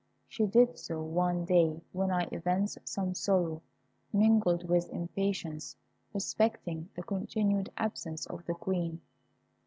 She did so one day when I evinced some sorrow, mingled with impatience, respecting the continued absence of the Queen.